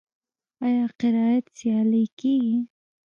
آیا قرائت سیالۍ کیږي؟